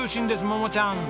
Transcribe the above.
桃ちゃん